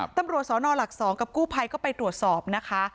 ตำรวจสนหลัก๒กับกู้ภัยก็ไปตรวจสอบนะคะ